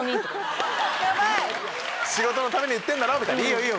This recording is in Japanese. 「仕事のために言ってんだろいいよいいよ！」。